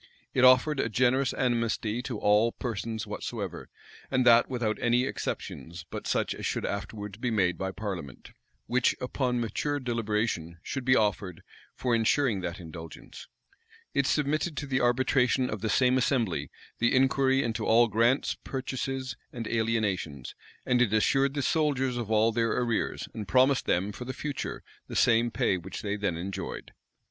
It offered a general amnesty to all persons whatsoever: and that without any exceptions but such as should afterwards be made by parliament: it promised liberty of conscience; and a concurrence in any act of parliament which, upon mature deliberation, should be offered, for insuring that indulgence: it submitted to the arbitration of the same assembly, the inquiry into all grants, purchases, and alienations; and it assured the soldiers of all their arrears, and promised them, for the future, the same pay which they then enjoyed.